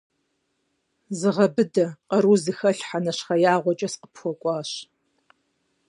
Зыгъэбыдэ, къару зыхэлъхьэ, нэщхъеягъуэкӏэ сыкъыпхуэкӏуащ.